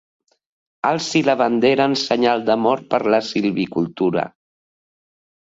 Alci la bandera en senyal d'amor per la silvicultura.